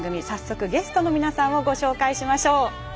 早速、ゲストの皆さんをご紹介しましょう。